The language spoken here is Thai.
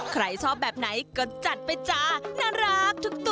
ใครชอบแบบไหนก็จัดไปจ้าน่ารักทุกตัว